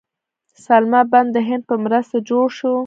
سلما بند د هند په مرسته جوړ شو